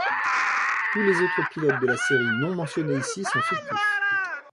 Tous les autres pilotes de la série, non mentionnés ici, sont fictifs.